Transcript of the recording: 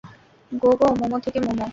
গো-গো মোমো থেকে মোমো।